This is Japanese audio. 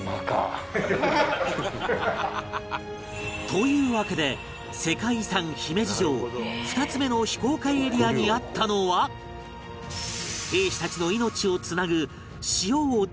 というわけで世界遺産姫路城２つ目の非公開エリアにあったのは兵士たちの命をつなぐ塩を貯蔵する食糧庫